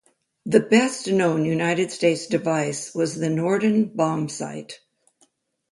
The best known United States device was the Norden bombsight.